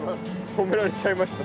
褒められちゃいました。